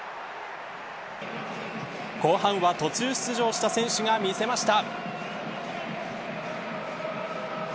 後半は途中出場した選手が見せました。